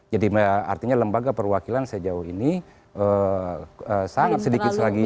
jadi artinya lembaga perwakilan sejauh ini sangat sedikit lagi